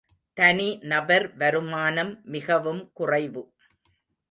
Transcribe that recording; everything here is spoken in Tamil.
தனி நபர் வருமானம் மிகவும் குறைவு.